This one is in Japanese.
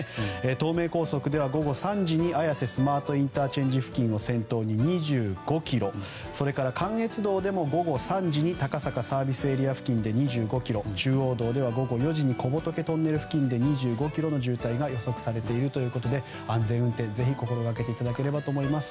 東名高速では午後３時に綾瀬スマートＩＣ付近を先頭に２５ｋｍそれから関越道でも午後３時に高坂ＳＡ付近で２５ｋｍ中央道では午後４時に小仏トンネル付近で２５ｋｍの渋滞が予測されているということで安全運転を心がけていただければと思います。